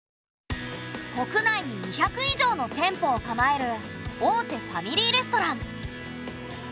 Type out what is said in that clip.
国内に２００以上の店舗を構える大手ファミリーレストラン。